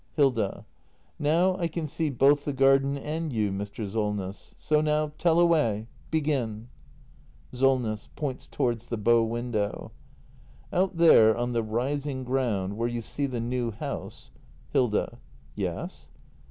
Hilda. Now I can see both the garden and you, Mr. Solness. So now, tell away! Begin! Solness. [Points towards the bow window.] Out there on the rising ground — where you see the new house Hilda. Yes?